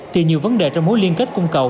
thì nhiều vấn đề trong mối liên kết cung cầu